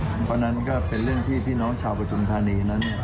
เพราะฉะนั้นก็เป็นเรื่องที่พี่น้องชาวประทุมธานีนั้น